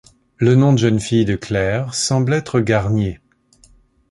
Le nom de jeune fille de Claire semble être Garnier.